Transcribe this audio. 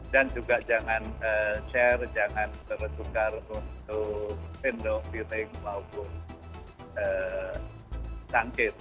dan juga jangan share jangan bertukar untuk endo feeling maupun sangkit